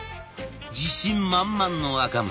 自信満々の赤宗。